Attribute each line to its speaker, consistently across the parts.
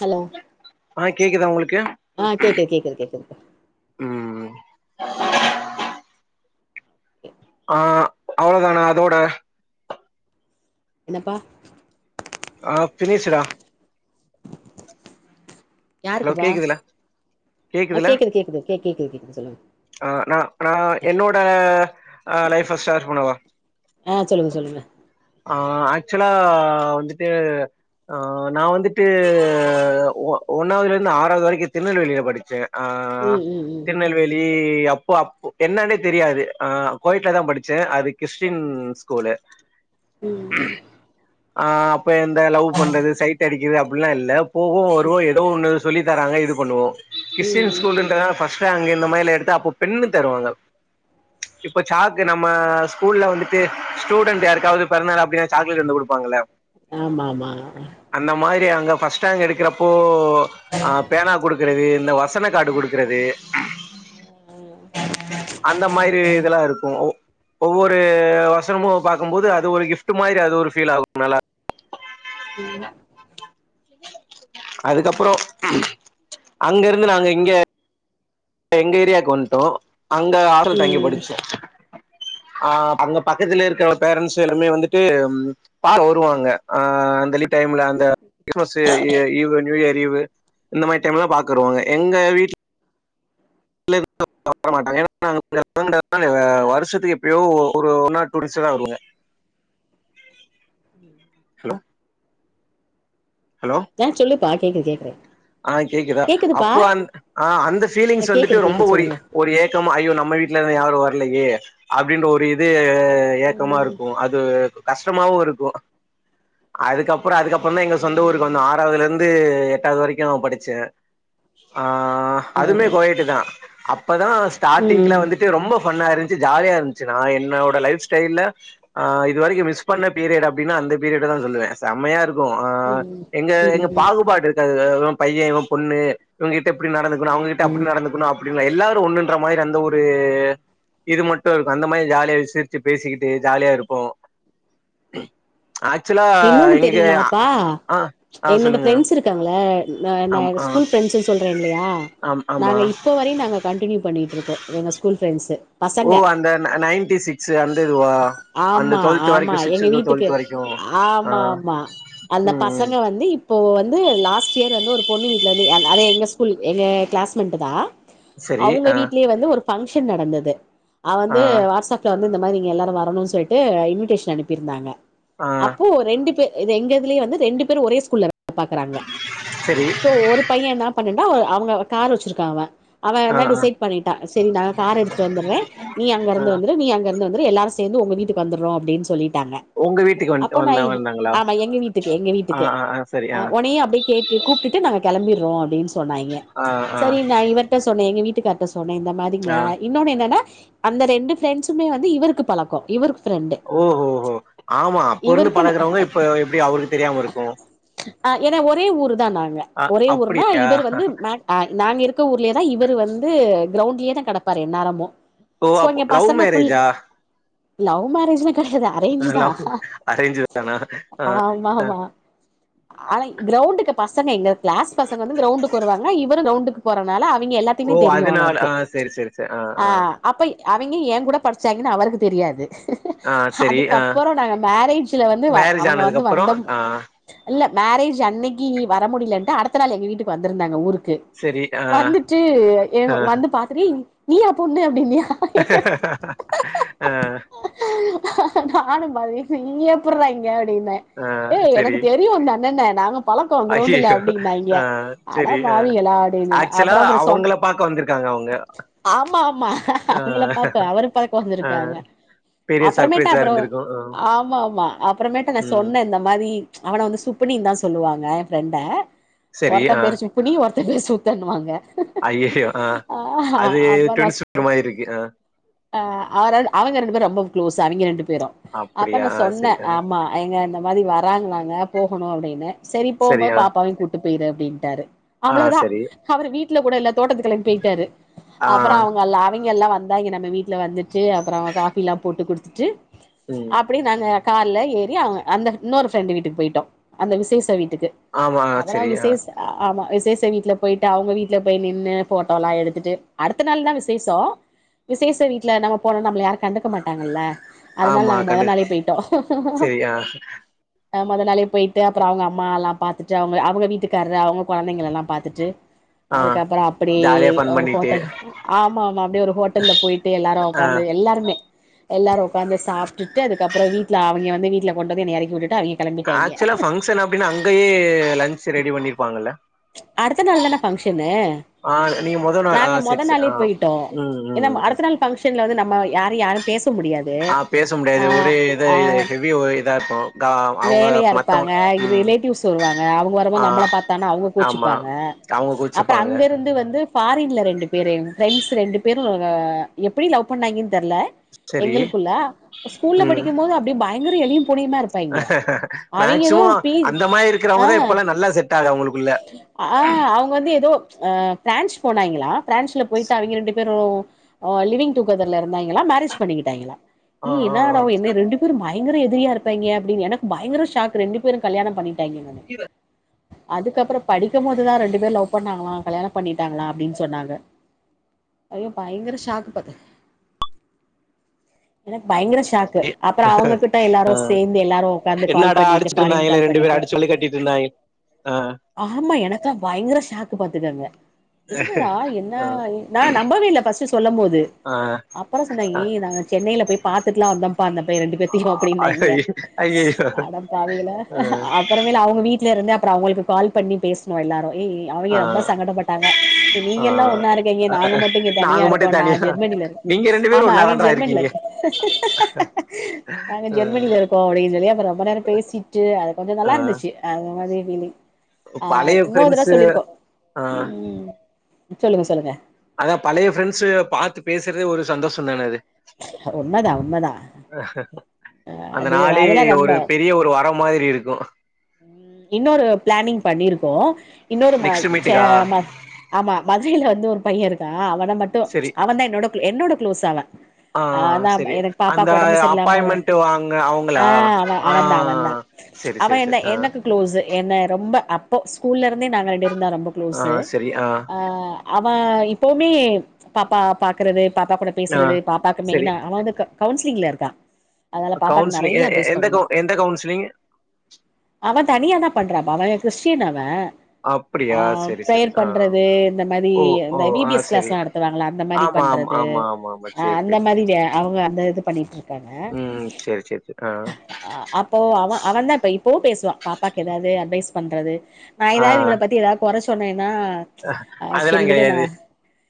Speaker 1: Hello
Speaker 2: ஆ கேக்குதா உங்களுக்கு
Speaker 1: ஆ கேக்குது கேக்குது கேக்குது இப்ப.
Speaker 2: ம். ஆ அவ்ளதானா அதோட.
Speaker 1: என்னப்பா?
Speaker 2: ஆ பினிஷ்ஷுடா. ஹலோ
Speaker 1: யாருக்குப்பா
Speaker 2: கேக்குதில்ல?
Speaker 1: ஆ கேக்குது கேக்குது கே கே கேக்குது கேக்குது சொல்லுங்க.
Speaker 2: ஆ நா நா என்னோட அ லைஃப ஷேர் பண்ணவா?
Speaker 1: ஆ சொல்லுங்க சொல்லுங்க.
Speaker 2: ஆ ஆக்சுலா வந்துட்டு ஆ நா வந்துட்டு ஒ ஒன்னாவதுலருந்து ஆறாவது வரைக்கு திருநெல்வேலில படிச்சே அ
Speaker 1: ம் ம் ம்
Speaker 2: திருநெல்வேல் இ அப்போ அப்போ என்னன்னே தெரியாது அ கோயட்லதா படிச்சே அது கிறிஸ்டின் ஸ் கூலு
Speaker 1: ம்
Speaker 2: ஆ அப்போ எந்த லவ் பண்றது சைட் அடிக்கிற அப்பில்லா இல்ல போவோ வருவோ எ து சொல்லித்தராங்க இது பண்ணுவோ
Speaker 1: ம்
Speaker 2: கிறிஸ்டின்
Speaker 1: ம்
Speaker 2: ஸ்கூலுன்றனால ஃபஸ் ட்ரேங் இந்த மாரிலா எடுத்தா அப்போ பென்னு தருவாங்க. இப்ப சாக்கு நம்ம ஸ்கூல்ல வந்துட்டு ஸ்டூடெண்ட் யாருக்காவது பிறந்தாள் அப்டின்னா சாக்லேட் வந்து கொடுப்பாங்கள
Speaker 1: ஆமாம்மா
Speaker 2: அந்த மாரி அங்க ஃபஸ்ட் ரேங்க் எடுக்கிறப்போ அ பேனா குடுக்கறது இந்த வசன காடு குடுக் குறது
Speaker 1: ம்
Speaker 2: அந்த மாரி இதெல்லாம் இரு க்கு ஒ ஒவ்வொரு வசனமும் பாக்கும்போது அது ஒரு கிஃப்ட் மாரி அது ஒரு ஃபீல் ஆகும் நல்லா
Speaker 1: ம்
Speaker 2: அதுக்கப்புறோம் அங்க இருந்து நாங்க இங்கே எங்க ஏரியாக்கு வந்துட்டோம் அங்க ஆஸ்டல்ல தங்கி
Speaker 1: ம்
Speaker 2: படிச்சோ ஆ அங்க பக்கத்துல இருக்கிற ஒரு பேரன்ஸ் எல்லாமே வந்துட்டு பாக்க வருவாங்க அ அந்த லீவு டைம்ல அந்த கிறிஸ்மஸ் ஈ லீவு நியூ இயர் லீவு இந்த மாரி டைம்லாம் பாக்குறோம் எங்க வீட் [unintelligible] வருஷத்துக்கு எப்பயோ ஒ ஒரு ஒன்னார் டூ டேஸ் தான் வருவாங்க ஹலோ ஹலோ
Speaker 1: ஆ சொல்லுப்பா கேக்குது கேக்கறேன்
Speaker 2: ஆ கேக்குதா அப்போ அந் ஆ அந்த
Speaker 1: ஆ
Speaker 2: பீலிங்ஸ் வந்துட்டு
Speaker 1: கேக்குது
Speaker 2: ரொம்ப
Speaker 1: கேக்குது
Speaker 2: ஓரி
Speaker 1: சொல்லுங்க
Speaker 2: ஒரு ஏக்கமா அய்யோ நம்ம வீட்ல இருந்து யாரும் வரலயே அப்டின்ற ஒரு இது ஏக்கமா
Speaker 1: ம்
Speaker 2: இருக்கும் அது கஷ் டமாவும் இருக்கும் அதுக்கப்பறோ அதுக்கப்புறம் தான் எங்க சொந்த ஊருக்கு
Speaker 1: ம்
Speaker 2: வந்தோம் ஆறாவதுல இருந்து எட் எட்டாவது வரைக்கும் படிச்சேன் ஆ
Speaker 1: ஆ
Speaker 2: அதுமே கோயட்டு தான் அப்பதான் ஸ்டார்டிங்ல
Speaker 1: ம்
Speaker 2: வந்து ரொம்ப ஃபன்னா இருந்துச்சு ஜாலியா இருந்துச்சு நா என்னோட லைஃப் ஸ்டைல்ல ஆ இது வரைக்கும் மிஸ் பண்ண பீரியட் அப்டின்னா அந்த பீரியட் தான் சொல்லுவேன் செம்மையா இருக் க்கும் ஆ
Speaker 1: ம்
Speaker 2: எங்க எங்க
Speaker 1: ம்
Speaker 2: பாகுபாடு இருக்காது இவன் பையன் இவன் பொண்ணு இவுங்ககிட்ட இப்டி நடந்துக்கணும் அவுங்ககிட்ட
Speaker 1: ம் ம்
Speaker 2: அப்டி நடந்துக்கணும் அப்டிங்களா எல்லாரும் ஒண்ணுன்ற மாரி அந்த ஒரு இது மட்டும் இருக்கு அந்த மாரி ஜாலியா வெச் சிரிச்சு பேசிக்கிட்டு ஜாலியா இருப்போம் ஆக்சுவலா
Speaker 1: இன்னொன்னு
Speaker 2: எங்க
Speaker 1: தெரியுமாப்பா
Speaker 2: ஆ ஆ
Speaker 1: என்னோட
Speaker 2: சொல்லுங்க
Speaker 1: ஃபிரெண்ட்ஸ் இருக் க்காங்கள ந நா
Speaker 2: ஆம் ஆ
Speaker 1: ஸ்கூல் பிரெண்ட்ஸ் சொல்றேன் இல்லையா
Speaker 2: ஆம் ஆமா
Speaker 1: நாங்க இப்ப வரையும் நாங்க கண்டினியூ பண்ணிட்டு இருக்கோம் எங்க ஸ்கூல் ஃப்ரெண்ட்ஸ்சு
Speaker 2: ஓ அந்த நை நைன்டி சிக்ஸ் அந்த இதுவா அந்த டுவெல்த் வரைக்கும் சிக்ஸ் டூ டுவல்த் வரைக்கும்
Speaker 1: ஆமாம்மா அந்த
Speaker 2: ம்
Speaker 1: பசங்க வந்து இப் ப்போ வந்து லாஸ்ட் இயர் வந்து ஒரு பொண்ணு வீட்ல வந்து அத அதே எங்க ஸ்கூல் எங்க கிளாஸ்மேட்டு் தான்
Speaker 2: சரி
Speaker 1: அவுங்க
Speaker 2: ஆ
Speaker 1: வீட்லயே வந்து ஒரு ஃபங்க்ஷன் நடந்தது
Speaker 2: ஆ
Speaker 1: அவந்து வாட்ஸ்அப் வீட்ல வந்து இந்த மாதிரி நீங்க எல்லாரும் வரணும் சொல்லிட்டு இன்விட்டேஷன் அனுப்பி இருந்தாங்க
Speaker 2: ஆ
Speaker 1: அப்போ ரெண்டு பேர் இது எங்கதுலயே வந்து ரெண்டு பேர் ஒரே ஸ்கூல்ல வேல பாக்குறாங்க
Speaker 2: சரி
Speaker 1: சோ ஒரு பையன் என்ன பண்ணன்டா அவுங்க கார் வெச்சிருக்காவ்ங்க
Speaker 2: ஆ
Speaker 1: அவன் தான்
Speaker 2: ஆ
Speaker 1: டிசைட் பண்ணிட்டான் செரி நாங்க கார் எடுத்துட்டு வந்தறேன் நீ அங்க
Speaker 2: ஆ
Speaker 1: இருந்து வந்துரு நீங்க அங் கிருந்து வந்துரு எல்லாரும் சேந்து உங்க வீட்டுக்கு வந்துருறோ அப்டின்னு சொல்லிட்டாங்க
Speaker 2: உங்க வீட்டு
Speaker 1: அப்போ நா இ ஆமா எங்க வீட்டுக்கு எங்க
Speaker 2: ஆ
Speaker 1: வீட்டுக்கு
Speaker 2: ஆ ஆ சரி
Speaker 1: அ
Speaker 2: ஆ
Speaker 1: ஒனையும் அப்டே கேட் டு கூப்ட்டுட்டு நாங்க கிளம்பிறோம் அப்டின்னு சொன்னாய்ங்கே
Speaker 2: ஆ ஆ
Speaker 1: சேரி நான் இவர் ட்ட சொன்னே எங்க வீட்டுக்கார்ட்ட சொன்னே இந்த மாரிங்க
Speaker 2: ஆ
Speaker 1: இன்னொன்னு என்னன்னா அந்த ரெண்டு பிரெண்ட்ஸுமே வந்து இவருக்கு பழக்கோ இவருக்கு ஃப்ரெண்டு
Speaker 2: ஓஹோஹோ ஆமா அப்போ இருந்து
Speaker 1: இவருக்கு
Speaker 2: பழகுறவுங்க இப்ப எப்படி அவருக்கு தெரியாம இருக்கு
Speaker 1: அ எனா ஒரே ஊர் தா நாங்க
Speaker 2: அ
Speaker 1: ஒரே
Speaker 2: அப்படி
Speaker 1: ஊர்ன்னா இவர் வந்து மேக் அ நாங்க இருக்க ஊர்லயே தா இவரு வந்து கிரௌண்ட்லயே தா கெடப்பார் எந்நேரமு
Speaker 2: ஓ
Speaker 1: சோ
Speaker 2: அப்போ
Speaker 1: இங்க
Speaker 2: லவ்
Speaker 1: பசங்க புல்
Speaker 2: மேரேஜா
Speaker 1: லவ் மேரேஜ்லா கெடையாது அரேஞ்சு தா
Speaker 2: லவ் அரேஞ்ச் தானா
Speaker 1: ஆம்மாமா [inaudible] கிரௌண்டுக்கு பசங்க எங்க கிளாஸ் பசங்க வந்து கிரெளண்டுக்கு வருவாங்க இவரு கிரௌண்டுக்கு போறனால அவிங்க எல்லா த்திமே
Speaker 2: ஓ
Speaker 1: தெரியு
Speaker 2: அதனால
Speaker 1: அவருக்கு
Speaker 2: ஆ சரி சரி சரி
Speaker 1: ஆ அப்பை அவிங்க ஏ கூட படிச்சாங்கன்னு அவருக்கு தெரியாது
Speaker 2: ஆ சரி ஆ
Speaker 1: அதுக்கப்பறோ நாங்க மேரேஜ்ல வந்து வ
Speaker 2: மேரேஜ்
Speaker 1: அவங்க
Speaker 2: ஆனதுக்கு
Speaker 1: வந்து
Speaker 2: அப்புறோ
Speaker 1: வந்தம்
Speaker 2: ஆ
Speaker 1: இல்ல மேரேஜ் அன்னைக்ககி வர முடிலன்ட்டு அடுத்த நாள் எங்க வீட்டுக்கு வந்துருந்தாங்க ஊருக்கு
Speaker 2: சரி. ஆ,
Speaker 1: வந்துட்டு எ எங்
Speaker 2: ஆ.
Speaker 1: வந்து பாக்குரி நீயா பொண்ணு அப்டின்னியா
Speaker 2: அ
Speaker 1: நானு [unintelligible] நீ எப்படுறா இங்க அப்படின்னே
Speaker 2: ஆ.
Speaker 1: ஏ
Speaker 2: சரி.
Speaker 1: எனக்கு தெரியு இந்த அண்ணன நாங்க பழக்கோ கிரௌண்டுல
Speaker 2: ஐயய்யோ!
Speaker 1: அப்டின்னாயிங்க
Speaker 2: ஆ,
Speaker 1: அட
Speaker 2: சரி. ஆ.
Speaker 1: பாவிகளா அப்டினன்
Speaker 2: ஆக்சுவலா
Speaker 1: அப்பறோ அப்பறோ சொன்
Speaker 2: அவங்கள பாக்க வந்திருக்காங்க அவங்க.
Speaker 1: ஆமா ஆமா
Speaker 2: ஆ,
Speaker 1: அவங்கள பாத்த அவர பாக்க
Speaker 2: ஆ.
Speaker 1: வந்துருக்காங்க
Speaker 2: பெரிய சர்ப்ரைஸா இருந்துருக்கு அ
Speaker 1: ஆமா ஆமா அப்பறமேட்டு நா சொன்னே இந்த மாதி அவன வந்து சுப்பனினு தா சொல்லுவாங்க எ ஃபிரெண்ட
Speaker 2: சரி.
Speaker 1: ஒருத்த
Speaker 2: ஆ.
Speaker 1: பேரு சு ப்பனி ஒருத்த பேர் சூத்தண்ணுவாங்க
Speaker 2: ஐயையோ அ அது டுவின்க்கு மாரி இருக்கு அ
Speaker 1: அ அவராள் அவங்க ரெண்டு பேரு ரொம்ப கு்ளோஸ் அவிங்க ரெண்டு பேரு அப்ப
Speaker 2: அப்படியா?
Speaker 1: நா
Speaker 2: ஆ,
Speaker 1: சொன்ன
Speaker 2: சரி. ஆ.
Speaker 1: ஆமா அவிங்கள இந்த மாரி வராங்களாங்க போகணு அப்டின்ன செரி
Speaker 2: சரி.
Speaker 1: போம்போது
Speaker 2: ஆ.
Speaker 1: பாப்பாவையு கூட் டு போயிரு அப்டின்ட்டாரு
Speaker 2: ஆ,
Speaker 1: அவ்வளோ தா
Speaker 2: சரி.
Speaker 1: அவர் வீட்டுல கூட இல்லத் தோட்டத்துக்கு கெளம்பி போயிட்டாரு
Speaker 2: ஆ.
Speaker 1: அப்பறோ அவங்கல்ல அவிங்க எல்லா வந் தாயிங்க நம்ம வீட்ல வந்துட்டு அப்பறோ காஃபிலா போட்டு குடுத்துட்டு
Speaker 2: ம்.
Speaker 1: அப்படியே நாங்க கார்ல ஏறி அவங்க அந்த இன்னொரு ஃப்ரெண்டு வீட்டுக்கு போயிட்டோ அந்த விசேஷ வீட்டுக்கு
Speaker 2: ஆமா.
Speaker 1: அவரா
Speaker 2: சரி. ஆ.
Speaker 1: விசேஷ அ ஆமா விசேஷ வீட்டுல போய்ட்டு அவுங்க வீட்ல போய் நின்னு போட்டோலா எடுத்துட்டு அடுத்த நாள் தா விசேஷோ விசேஷ வீட்டுல நம்ம போனோ நம்பள யாரு கண்டுக்க மாட்டாங்கல்ல அதனால
Speaker 2: ஆமா.
Speaker 1: நாங்க மொத
Speaker 2: கண்டு
Speaker 1: நாளே போயிட்டோ
Speaker 2: சரி. ஆ.
Speaker 1: அ மொத நாளே போயிட்டு அப்பறோ அவங்க அம்மா எல்லா பாத்துட்டு அவங்க அவங்க வீட்டுக்காரு அவுங்க கொழந்தைங்களலா பாத்துட்டு
Speaker 2: ஆ.
Speaker 1: அதுக்கப்பறோ அப்படியே
Speaker 2: ஜாலியா ஃபன்
Speaker 1: ஒரு
Speaker 2: பண்ணிட்டு.
Speaker 1: ஹோட்டல்லு ஆமா ஆமா அப்படியே ஒரு ஹோட்டல்ல போயிட்டு எல்லாரு
Speaker 2: ஆ.
Speaker 1: ஒகாந்து எல்லாருமே எல்லாரு ஒக்காந்து சாப்ட்டுட்டு அதுக்கப்பறோ வீட்டுல அவிங்க வந்து வீட்டுல கொண்டு வந்து என்னைய எறக்கி விட்டுட்டு அவிங்க
Speaker 2: ஆக்சுவலா ஃபங்க்ஷன் அப்டினா அங்கயே லன்ச் ரெடி பண்ணிருப்பாங்கல்ல
Speaker 1: அடுத்த நாள் தான ஃபங்க்ஷனு
Speaker 2: ஆ நீங்க மொத நாள் ஆ
Speaker 1: நாங்க
Speaker 2: செரி
Speaker 1: மொத
Speaker 2: செரி
Speaker 1: நாளே
Speaker 2: ஆ
Speaker 1: போயிட்டோ
Speaker 2: ம் ம்
Speaker 1: ஏனா
Speaker 2: ம் ம்
Speaker 1: அடுத்த நாள் பங்க்ஷன்ல வந்து நம்ம யாரு யாரு பேச முடியாது
Speaker 2: ஆ பேச
Speaker 1: ஆ
Speaker 2: முடியாது ஒரு இது
Speaker 1: ஆ
Speaker 2: இது ஹெவி ஒரே இதாட்டோ
Speaker 1: வேலையா இருப்பாங்க ரிலேட்டிவ்ஸ் வருவாங்க அவங்க
Speaker 2: ஆ
Speaker 1: வரும்போது நம்மள பாத்தானா அவுங்க
Speaker 2: ஆமா
Speaker 1: கோச்சிப்பாங்க
Speaker 2: அவங்க
Speaker 1: அப்பறோ
Speaker 2: கோச்சுப்பாங்க
Speaker 1: அங்க இருந்து வந்து ஃபாரின்ல ரெண்டு பேரு எங் ஃப்ரெண்ட்ஸ் ரெண்டு பேரு க எப்படி லவ் பண்ணாயிங்கன்னு தெர்ல
Speaker 2: செரி
Speaker 1: எங்களுக்குள்ள ஸ்கூல்ல
Speaker 2: ம்
Speaker 1: படிக்கு மோது அப்டியே பயங்கர எலியு பூனையுமா இருப் பாங்க அவுங்க எதோ
Speaker 2: மேக்சிமம் அந்த மாரி
Speaker 1: [unintelligible] அ
Speaker 2: இருக்கிறவங்கதா இப்பல்லா நல்லா செட் ஆகுது அவங்களுக்குள்ள
Speaker 1: அ அவுங் வந்து ஏதோ அ பிரான்ஜ் போனாங்களா பிரான்ஜ்ல போய்ட்டு அவுங்க ரெண்டு பேரோ அ லிவிங் டுகெதர்ல இருந்தாங்களா மேரேஜ் பண்ணிக்கிட்டாங்களா ஏ
Speaker 2: ஆ ஆ
Speaker 1: என்னடா
Speaker 2: ஆ
Speaker 1: என்ன ரெண்டு பேரோ பயங்கர எதிரியா இருப்பாய்ங்க அப்டின்னு எனக்கு பயங்கர ஷாக் ரெண்டு பேரு கல்யணோ பண்ணிட்டாங்கனோனே அதுக்கப்புற படிக்க போதுதா ரெண்டு பேரு லவ் பண்ணாங்களா கல்யாணோ பண்ணிட்டாங்களா அப்டின் சொன்னாங்க ஐயோ பயங்கர ஷாக்கு பாத்து எனக்கு பயங்கர ஷாக் க்கு
Speaker 2: எ
Speaker 1: அப்றோ அவுங்ககிட்ட எல்லாரு சேந் து எல்லாரு உக்காந்து கால்
Speaker 2: என்னடா
Speaker 1: பண்ணிட்டு
Speaker 2: அடிச்சுட்டு
Speaker 1: ஃபாரின்
Speaker 2: இருந்தாங்களே
Speaker 1: கால்
Speaker 2: ரெண்டு பேரு
Speaker 1: பண்ணிட்டு
Speaker 2: அடிச்சு வழி கட்டிட்டு இருந்தாங்க ஆ
Speaker 1: ஆமா எனக்கா பயங்கர ஷாக்கு பாத்துக்கங்க என்னடா என்ன
Speaker 2: ஆ
Speaker 1: நா நம்பவே இல்ல ஃபர்ஸ்ட்டு சொல்ல போது அப்பறோ சொன்னாங்க ஏய் நாங்க சென்னையில போய் பாத்துடுலா வந்தோம்ப்பா அந்த பே ரெண்டு பேத்தையு
Speaker 2: ஆ
Speaker 1: அப்டின்னாங்க
Speaker 2: ஐயையோ
Speaker 1: அடபாவிகளா
Speaker 2: ஆ
Speaker 1: அப்பறோ [unintelligible] அவுங்க வீடல இருந்து அப்றோ அவுங்களுக்கு கால் பண்ணி பேசணு எல்லாரு ஏய்
Speaker 2: ஆ
Speaker 1: அவங்க ரொம்ப சங்கடப்பட்டாங்க
Speaker 2: ஆ
Speaker 1: நீங்க எல்லா ஒன்னா இருக்கீங்க நாங்க மட்டு இங்க
Speaker 2: நாங்க
Speaker 1: தனியா
Speaker 2: மட்டு
Speaker 1: இருக்கோம்டா
Speaker 2: தனியா
Speaker 1: ஜெர்மனியில இருக்
Speaker 2: நீங்க ரெண்டு பேரு
Speaker 1: ஆமா அவங்க
Speaker 2: ஒன்னாதாண்ட
Speaker 1: ஜெர்மனில
Speaker 2: இருக்கீங்க
Speaker 1: இருக் நாங்க [unintelligible] சொல்லி அப்பறோ ரொம்ப நேர பேசிட்டு அது கொஞ்சோ
Speaker 2: ஆ
Speaker 1: நல்லா இருந்துச்சு அது மாதிரி ஃபீல்லிங் ஆ
Speaker 2: பழைய
Speaker 1: இன்னொருதடவ
Speaker 2: ஃப்ரெண்ட்ஸு
Speaker 1: சொல்லிருக்கோ
Speaker 2: ஆ
Speaker 1: ம் சொல்லுங்க சொல்லுங்க
Speaker 2: அதா பழைய ஃப்ரெண்ட்ஸ் பாத்து பேசுறதே ஒரு சந்தோஷ தான அது
Speaker 1: உண்மதா உண்மதா
Speaker 2: ஆஹ அந்த
Speaker 1: அது
Speaker 2: நாளே
Speaker 1: அதெல்லா
Speaker 2: ஒரு பெரிய ஒரு வரோ மாதிரி இருக்கு
Speaker 1: ம் இன்னொரு பிளானிங் பண்ணிருக்கோ இன்னொரு
Speaker 2: நெக்ஸ்ட் மீட்டுக்கா
Speaker 1: [unintelligible] ஆமா மதுரையில வந்து ஒரு பைய இருக்கான் அவன மட்டு
Speaker 2: செரி
Speaker 1: அவன தா என்னோட குளோ என்னோட குளோஸ் அவ
Speaker 2: அ அ ஆ
Speaker 1: நா
Speaker 2: செரி
Speaker 1: எனக்கு
Speaker 2: அந்த
Speaker 1: பாப்பாக்கு ஒடம்பு சரியில்லாம
Speaker 2: அப்பாயிமெண்ட் வாங்க அவுங்களா
Speaker 1: ஆ அவ
Speaker 2: ஆ
Speaker 1: அவன்
Speaker 2: செரி செரி செரி ஆ
Speaker 1: க்ளோஸு என்ன ரொம்ப அப்போ ஸ்கூல்ல இருந்தே நாங்க ரெண்டேருந்தா ரொம்ப
Speaker 2: ஆ
Speaker 1: க்ளோஸு
Speaker 2: செரி ஆ
Speaker 1: அ அவ இப்போவுமே பாப்பா பாக்குறது பாப்பா கூட
Speaker 2: ஆ
Speaker 1: பேசுறது பாப்பாக்கு
Speaker 2: செரி
Speaker 1: மெயினா அவ வந்துக் கவுன்சிலிங்ல இருக்கா அதனால பாப்பாக்கு
Speaker 2: கவுன்சிலிங் எ
Speaker 1: நெறைய
Speaker 2: எ-
Speaker 1: அட்வைஸ்
Speaker 2: எந்த
Speaker 1: பண்ணுவா
Speaker 2: கவு எந்த கவுன்சிலிங்
Speaker 1: அவ தனியாதா பண்றாப்ப அவ கிறிஸ்டின் அவ ஆ
Speaker 2: அப்டியா செரி செரி
Speaker 1: ப்ரேயர்
Speaker 2: ஆ
Speaker 1: பண்றது இந்த மாதி
Speaker 2: ஓ ஓ
Speaker 1: இந்த வி பி எஸ்
Speaker 2: செரி
Speaker 1: கிளாஸ்லா நடத்துவாங்களா அந்த மாதி
Speaker 2: ஆ ஆமா ஆமா ஆமா
Speaker 1: ஆ
Speaker 2: சேரி
Speaker 1: அந்த
Speaker 2: சேரி
Speaker 1: மாதிரி வே அவுங்க அந்த இது பண்ணிட்டு இருக்காங்க
Speaker 2: ம் சேரி சேரி சேரி ஆ
Speaker 1: அப்போ அவ அவ தா இப்ப இப்போவு பேசுவா பாப்பாவுக்கு ஏதாவ்து அட்வைஸ் பண்றது நா
Speaker 2: ஆ
Speaker 1: ஏதாவ்து இவள பத்தி ஏதாவ்து கொற சொன்னேன்னா அ
Speaker 2: அதெல்லா
Speaker 1: செரி விடு
Speaker 2: கெடையாது
Speaker 1: நா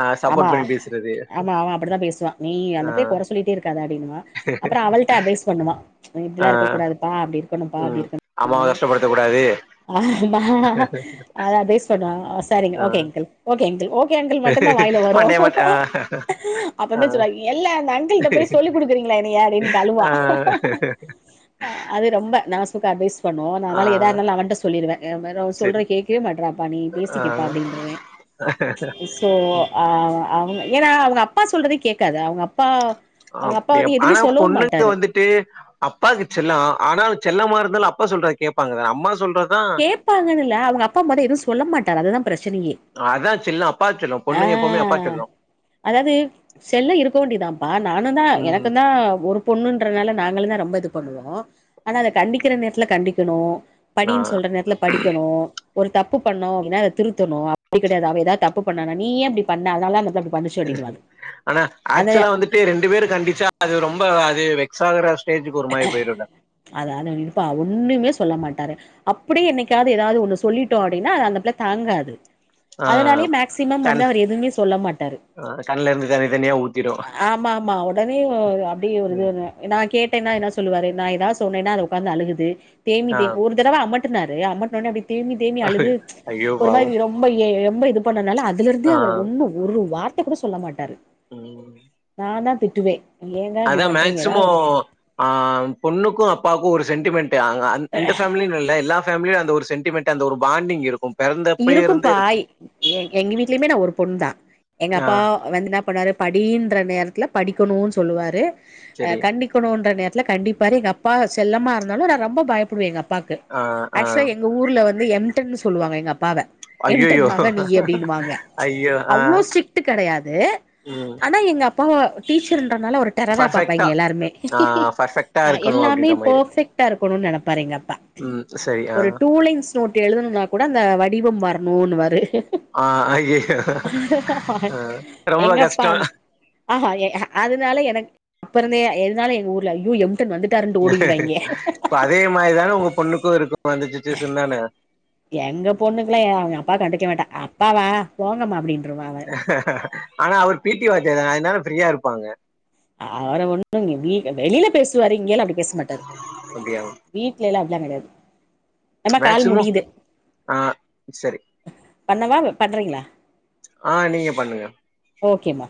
Speaker 2: ஆ சப்போர்ட்
Speaker 1: ஆமா
Speaker 2: பண்ணி பேசுறது
Speaker 1: ஆமா அவ அப்டிதா பேசு வா நீ
Speaker 2: ஆ
Speaker 1: அந்த பிள்ளே கொற சொல்லிட்டே இருக்காத அப்டின்னுவன் அப்றோ அவள்ட்ட அட்வைஸ் பண்ணுவா நீ
Speaker 2: ஆ
Speaker 1: இப்டிலா இருக்கக்கூடாது பா அப்டி இருக்கணு பா அப்டி
Speaker 2: ம்
Speaker 1: இருக்கணு
Speaker 2: அம்மாவ கஷ்டப்படுத்தக் கூடாது
Speaker 1: [inaudible] ஆமா அதா அட்வைஸ் பன்னுவ ஒ சரிங்க
Speaker 2: ஆ
Speaker 1: okay uncle okay uncle okay uncle மட்டுதா வாயில வரு
Speaker 2: மண்டைய மட் ஆ
Speaker 1: அப்
Speaker 2: ஆ
Speaker 1: உன்னே சொல்வ இல்ல அந்த அங்கிள்ட்ட போய் சொல்லிக் குடுக்குறீங்களா என்னைய அப்டின்னு க அழுவா
Speaker 2: ஆ
Speaker 1: அது ரொம்ப நாசுகாக அட்வைஸ் பண்ணுவோ நா
Speaker 2: ஆ
Speaker 1: அதனால எதாருந்தாலு நா அவன்ட்ட சொல்லடுவே [inaudible] அவ
Speaker 2: செரி
Speaker 1: சொல்றத கேட்க்வேமாடறப்பா நீ பேசிக்கப்பா அப்டின்றவே
Speaker 2: ஆ
Speaker 1: ஸ் சோ அ அவுங் ஏனா அவுங்க அப்பா சொல்றதே கேட்காது அவுங்க அப்பா அவுங்க அப்பா வந்து எதுமே சொல்லவும் மாட்டாரு
Speaker 2: ட்டு அப்பாக்கு செல்லம் ஆனாலு செல்லமா இருந்தாலு அப்பா சொல்ற கேப்பாங்க அம்மா சொல்றதுதா
Speaker 1: கேப்பாங்கனுல்ல அவுங்க அப்பா மாரி எது சொல்ல மாட்டார் அதுதா பிரச்சனையே
Speaker 2: அதான் செல்லம்
Speaker 1: ஆ
Speaker 2: பொண்ணுங்க எப்புமே அப்பா செல்லம்
Speaker 1: அதாவது செல்லோ இருக்க வேண்டியதாப்பா நானுன்தா
Speaker 2: ம்
Speaker 1: எனக்குந்தா ஒரு பொண்ணுன்றனால நாங்களுந்தா ரொம்ப இது பண்ணுவோ ஆனா அத கண்டிக்கிற நேரத்துல கண்டிக்கணு
Speaker 2: ஆ
Speaker 1: படின்னு சொல்ற நேரத்துல படிக்கணு ஒரு தப்பு பண்ணோ அப்டினா அத திருத்தணு அப்படி கெடையாது அவ ஏதா த ப்பு பண்ணா நீ ஏன் இப்டி பண்ண அதனாலதா அந்த புள்ள பண்ணுச்சு அப்டின்னுவாரு
Speaker 2: ஆனா
Speaker 1: அத
Speaker 2: ஆக்சுலா வந்து டே ரெண்டு பேர் கண்டிச்சா அது ரொம்ப அது வெக்ஸ் ஆகுற ஸ்டேஜுக்கு ஒரு மாரி போயிடுல்ல
Speaker 1: அது [unintelligible] அப்பா ஒண்ணுமே சொல்ல மாட்டாரு அப்டியே இன்னைக்கு என்னைக்காது எதாது ஒன்னு சொல்லிட்டோ அப்டினா அந்த புள்ள தாங்காது
Speaker 2: ஆ
Speaker 1: அதனாலயே மேக்சிமம் வந்து
Speaker 2: கண்
Speaker 1: அவர் எதுமே சொல்ல மாட்டாரு
Speaker 2: தனி தனியா ஊத்திரு
Speaker 1: ஆமாமா ஒடனே அப்டியே ஒரு
Speaker 2: ம்
Speaker 1: இதுனு நா கேட்டேனா என்ன சொல்லுவாரு நா ஏதாது சொன்னேனா அது உக்காந்து அழுகுது தேம்பி
Speaker 2: ஆ
Speaker 1: தேம் ஒரு தடவ அமட்டுனாரு அமட்ன ஒன்னே அப்டி தேம்பி தேம்பி அழுது
Speaker 2: ஐயோ
Speaker 1: ஒரு
Speaker 2: பாவோ
Speaker 1: மாறி ரொ ரொம்பயே ரொம்ப இது பண்ணுனால அதுல இருந்தே
Speaker 2: ஆ
Speaker 1: அவரு ஒன்னு ஒரு வார்த்த கூட சொல்ல மாட்டாரு
Speaker 2: ம்
Speaker 1: நான்தா திட்டுவே
Speaker 2: அதா மேக்சிமோ ஆ பொண்ணுக்கு அப்பாக்கு ஒரு சென்டிமெண்ட்டு அங் அங் இந்த ஃபேமிலின்னு இல்ல எல்லா ஃபேமிலில அந்த ஒரு சென்டிமெண்ட் அந்த ஒரு பாண்டிங் இருக்கு பெறந்தப்பயே இருந்தே
Speaker 1: இருக்கும்பா
Speaker 2: இருக்கு
Speaker 1: எ எங்க வீட்லிமே நா ஒரு பொண்தா எங்க
Speaker 2: ஆ
Speaker 1: அப்பா வந்து என்ன பண்ணுவாரு படின்ற நேரத்தில படிக்கனுனு சொல்லுவாரு அ
Speaker 2: செரி
Speaker 1: கண் டிக்கணுனுன்ற நேரத்தில கண்டிப்பாரு எங்க அப்பா செல்லமா இருந்தாலு நா ரொம்ப பயப்படுவ எங் அப்பாக்கு
Speaker 2: ஆ ஆ
Speaker 1: ஆக்சுலா எங் க ஊர்ல வந்து எம்டன்னு சொல்லுவாங்க எங்க அப்பாவ எம்டன்
Speaker 2: ஐயையோ
Speaker 1: மக நீயி அப்டின்னுவாங்க
Speaker 2: ஐயோ ஆ
Speaker 1: அவ்ளோ ஸ்சிட்டு கெடையாது
Speaker 2: ம்
Speaker 1: ஆனா எங்க அப்பா டீச்சர்ன்றனால ஒரு டெரரா
Speaker 2: பர்ஃபெக்ட்டா
Speaker 1: பாப்பாஙிக எல்லாருமே
Speaker 2: ஆ பர்ஃபெக்ட்டா
Speaker 1: ஆ
Speaker 2: இருக்கணு
Speaker 1: எல்லாமே
Speaker 2: அப்டின்ற மாரி
Speaker 1: பெர்ஃபெக்டா இருக்கணுனு நெனைப்பாரு எங்க அப்பா
Speaker 2: ம் செரி அ
Speaker 1: நோட்டு எழுதணுனா கூட அந்த வடிவம் வரணுன்னுவாரு
Speaker 2: ஆ அய்யய்யோ அ ரொம்ப
Speaker 1: எங்கப்பா
Speaker 2: கஷ்டோ
Speaker 1: ஆஹா அதனால எனக் பிறந்த எதுனால எங்க ஊர்ல அய்யோ எம்
Speaker 2: இப்ப அதே மாரிதான உங்க பொண்ணுக்கு இருக்கு அந்த சுச்சுவேஷன்தான
Speaker 1: எங்க பொண்ணுக்கெல்லா என் அவ அப்பாட்ட கண்டுக்க மாட்டா அப்பாவா போங்கம்மா அப்டின்றுவா
Speaker 2: ஆனா அவர் பி டி வாத்தியார்தான அதனால ஃப்ரீயா இருப்பாங்க
Speaker 1: அவற ஒண்ணுங்க வீ வெளில பேசுவாரு இங்கேல்லா அப்டி பேச மாட்டாரு
Speaker 2: அப்டியா
Speaker 1: வீட்ல எல்லா அப்டியெல்லான் கெடையாது நம்ம கால்
Speaker 2: மேக்சிமம்
Speaker 1: முடிது
Speaker 2: ஆ சரி
Speaker 1: பண்ணவா பண்றீங்ளா
Speaker 2: ஆ நீங்க பண்ணுங்க
Speaker 1: ஓகேமா